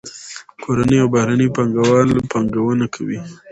کورني او بهرني پانګه وال پانګونه کوي.